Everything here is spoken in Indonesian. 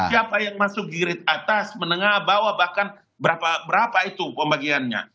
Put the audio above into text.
siapa yang masuk girit atas menengah bawah bahkan berapa itu pembagiannya